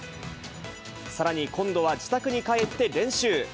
さらに、今度は自宅に帰って練習。